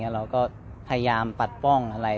เราก็พยายามปัดป้องอะไร